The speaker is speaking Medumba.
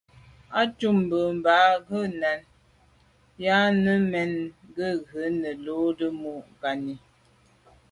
Á cúp mbə̄ mbā gə̀ yɑ́nə́ à' yɑ́nə́ mɛ̀n gə̀ rə̌ nə̀ lódə́ mû' kání.